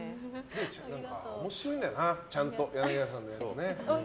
面白いんだよなちゃんと、柳原さんのやつね。